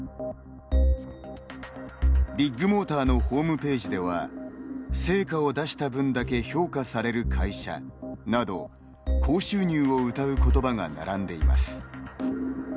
ビッグモーターのホームページでは成果を出した分だけ評価される会社など高収入をうたう言葉が並んでいます。